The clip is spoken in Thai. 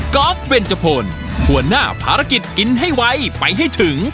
อล์ฟเบนจพลหัวหน้าภารกิจกินให้ไวไปให้ถึง